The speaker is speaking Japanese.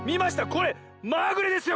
これまぐれですよ